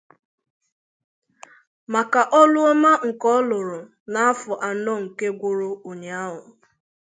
maka ọlụ ọma nke ọ lụrụ n’afọ anọ nke gwụrụ ụnyịahụ